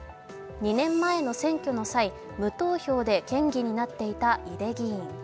２年前の選挙の際、無投票で県議になっていた井手議員。